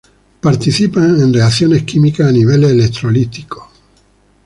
Participan en reacciones químicas a niveles electrolíticos.